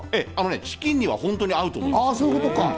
チキンには本当に合うと思います。